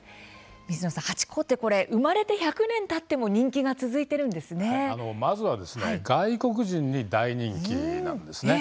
水野さん、ハチ公は生まれて１００年たってもまずは外国人に大人気なんです。